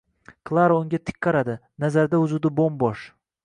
Klara unga tik qaradi, nazarida vujudi bo’m-bo’sh.